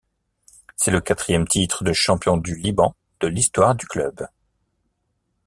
C'est le quatrième titre de champion du Liban de l'histoire du club.